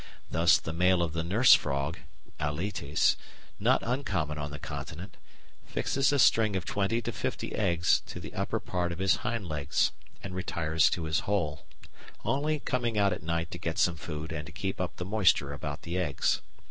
Thus the male of the Nurse Frog (Alytes), not uncommon on the Continent, fixes a string of twenty to fifty eggs to the upper part of his hind legs, and retires to his hole, only coming out at night to get some food and to keep up the moisture about the eggs.